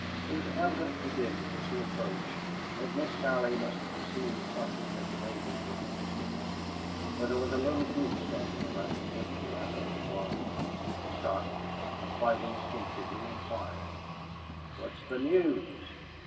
It was evident to Dick as he approached that Miss Sally must have received something that the neighbors were interested in, for there was a little group standing around, looking rather glum. He stopped and quite instinctively inquired, "What's the news?"